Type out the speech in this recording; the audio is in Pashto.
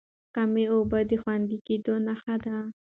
کمې اوبه د خوندي کېدو نښه ده.